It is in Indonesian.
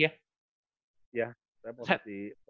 balik lagi sebelum ngelatih ya